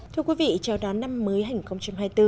thưa quý vị chào đón năm mới hành công chương hai mươi bốn